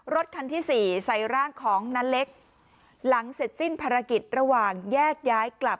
รถคันที่สี่ใส่ร่างของนาเล็กหลังเสร็จสิ้นภารกิจระหว่างแยกย้ายกลับ